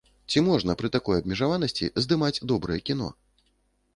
Ці можна пры такой абмежаванасці здымаць добрае кіно?